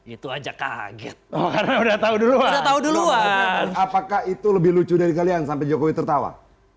itu aja kaget karena udah tahu dulu udah tahu duluan apakah itu lebih lucu dari kalian sampai jokowi tertawa